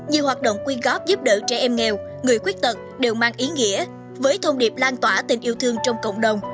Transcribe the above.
nhiều hoạt động quyên góp giúp đỡ trẻ em nghèo người khuyết tật đều mang ý nghĩa với thông điệp lan tỏa tình yêu thương trong cộng đồng